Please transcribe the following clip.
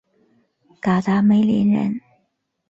嘎达梅林人。